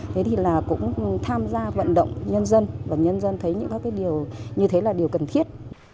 thế thì là cũng tham gia vận động nhân dân và nhân dân thấy những các cái điều như thế là điều cần thiết